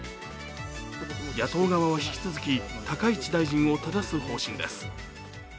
野党側は引き続き、高市大臣をただす方針です。